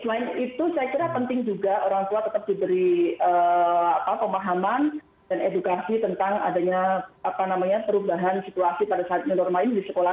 selain itu saya kira penting juga orang tua tetap diberi pemahaman dan edukasi tentang adanya perubahan situasi pada saat new normal ini di sekolah